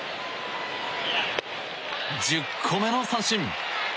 １０個目の三振！